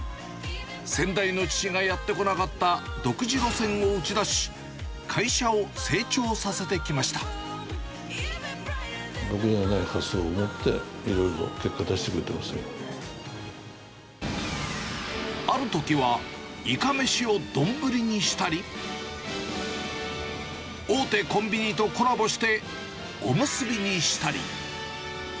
先代の父がやってこなかった独自路線を打ち出し、会社を成長させ僕にはない発想を持って、あるときは、いかめしを丼にしたり、大手コンビニとコラボして、おむすびにしたり。